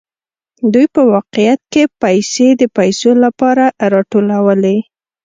دوی په واقعیت کې پیسې د پیسو لپاره راټولوي